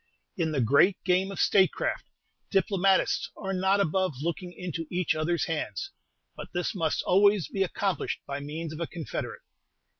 In the great game of statecraft, diplomatists are not above looking into each other's hands; but this must always be accomplished by means of a confederate.